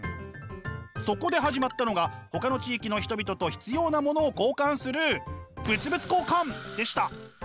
そこで始まったのがほかの地域の人々と必要なものを交換する物々交換でした！